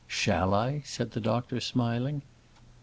"Shall I?" said the doctor, smiling.